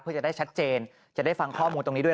เพื่อจะได้ชัดเจนจะได้ฟังข้อมูลตรงนี้ด้วย